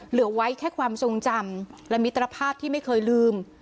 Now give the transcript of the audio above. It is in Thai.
เหลือไว้แค่ความทรงจำและมิตรภาพที่ไม่เคยลืม